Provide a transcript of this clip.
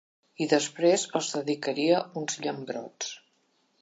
I després els dedicaria uns llambrots.